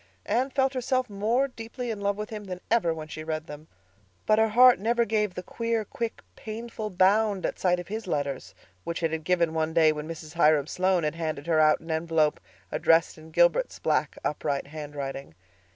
Anne felt herself more deeply in love with him than ever when she read them; but her heart never gave the queer, quick, painful bound at sight of his letters which it had given one day when Mrs. Hiram Sloane had handed her out an envelope addressed in Gilbert's black, upright handwriting.